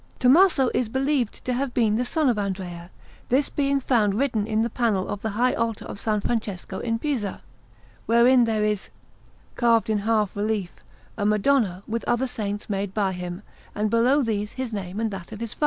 Tommaso is believed to have been the son of Andrea, this being found written in the panel of the high altar of S. Francesco in Pisa, wherein there is, carved in half relief, a Madonna, with other Saints made by him, and below these his name and that of his father.